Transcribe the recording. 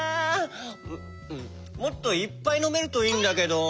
もっといっぱいのめるといいんだけど。